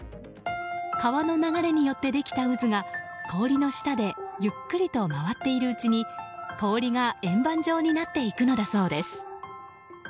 川の流れによってできた渦が氷の下でゆっくりと回っているうちに氷が円盤状になっていくのだそうです。